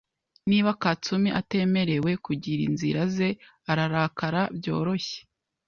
Niba Katsumi atemerewe kugira inzira ze, ararakara byoroshye .